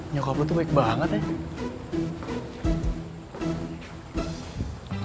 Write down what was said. nyokop lo tuh baik banget ya